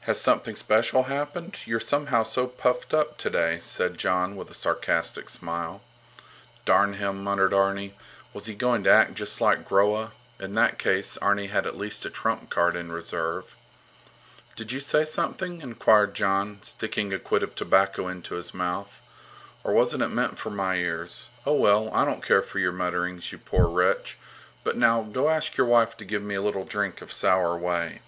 Has something special happened? You're somehow so puffed up today, said Jon with a sarcastic smile. Darn him! muttered Arni. Was he going to act just like Groa? In that case, Arni had at least a trump card in reserve. Did you say something? inquired Jon, sticking a quid of tobacco into his mouth. Or wasn't it meant for my ears? Oh, well, I don't care for your mutterings, you poor wretch. But now, go ask your wife to give me a little drink of sour whey.